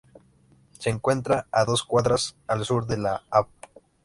Se encuentra a dos cuadras al sur de la Av.